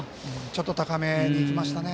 ちょっと高めにきましたね。